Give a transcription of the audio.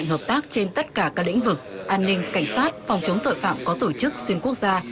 hợp tác trên tất cả các lĩnh vực an ninh cảnh sát phòng chống tội phạm có tổ chức xuyên quốc gia